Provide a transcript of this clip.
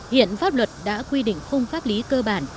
hiện pháp luật đã quy định khung pháp lý cơ bản